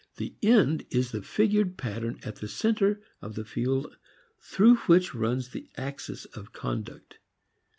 The "end" is the figured pattern at the center of the field through which runs the axis of conduct.